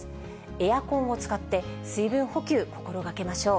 エアコンを使って、水分補給、心がけましょう。